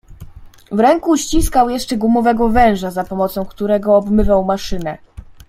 "W ręku ściskał jeszcze gumowego węża, za pomocą którego obmywał maszynę."